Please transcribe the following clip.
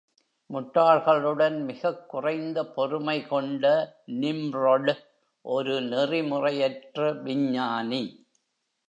முட்டாள்களுடன் மிகக் குறைந்த பொறுமை கொண்ட Nimrod, ஒரு நெறிமுறையற்ற விஞ்ஞானி.